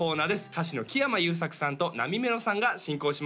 歌手の木山裕策さんとなみめろさんが進行します